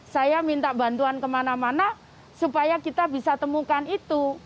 saya minta bantuan kemana mana supaya kita bisa temukan itu